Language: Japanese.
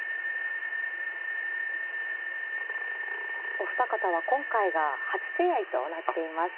お二方は今回が初手合いとなっています。